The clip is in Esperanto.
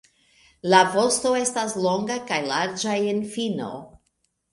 La vosto estas longa kaj larĝa en fino.